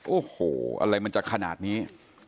โอ้โหอะไรมันจะขนาดนี้